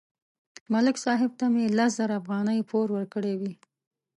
ملک صاحب ته مې لس زره افغانۍ پور ورکړې وې